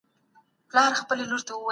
له کورني ادب پرته عزت نه ګټل کېږي.